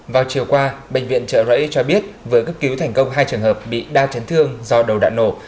vào chiều qua bệnh viện trợ rẫy cho biết vừa cấp cứu thành công hai trường hợp bị đa chấn thương do đầu đạn nổ